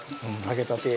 揚げたて。